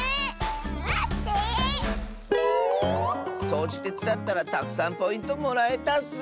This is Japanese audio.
そうじてつだったらたくさんポイントもらえたッス。